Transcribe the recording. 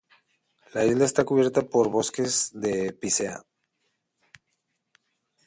La isla está cubierta por bosques de picea.